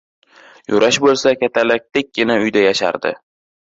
Yurash boʻlsa katalakdekkina uyda yashardi